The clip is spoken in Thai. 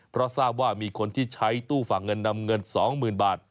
เพราะทราบว่ามีคนที่ใช้ตู้ฝากเงินนำเงิน๒๐๐๐บาท